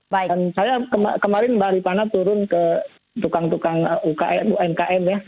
dan saya kemarin mbak ripana turun ke tukang tukang umkm ya